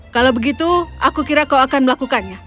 kalau begitu aku kira kau akan melakukannya